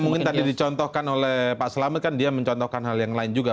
seperti yang mungkin tadi dicontohkan oleh pak selamat dia mencontohkan hal yang lain juga